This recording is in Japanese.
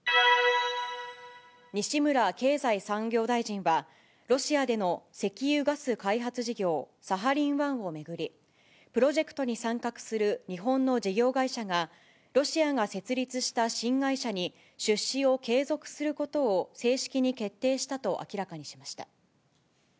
西村経済産業大臣は、ロシアでの石油・ガス開発事業、サハリン１を巡り、プロジェクトに参画する日本の事業会社が、ロシアが設立した新会社に出資を継続することを正式に決定したと明らかにしました。